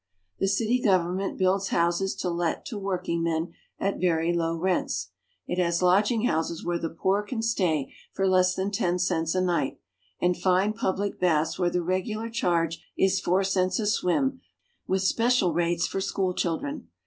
The city government builds houses to let to workingmen at very low rents ; it has lodging houses where the poor can stay for less than ten University of Glasgow. cents a night, and fine public baths where the regular charge is four cents a swim, with special rates for school children.